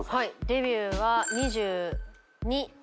デビューは２２です。